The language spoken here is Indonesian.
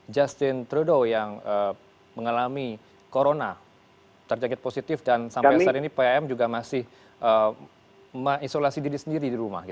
justin trudeau yang mengalami corona terjangkit positif dan sampai saat ini pm juga masih mengisolasi diri sendiri di rumah